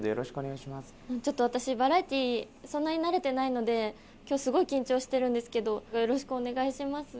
そんなに慣れてないので今日すごい緊張してるんですけどよろしくお願いします。